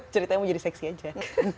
ceritanya mau jadi seksi aja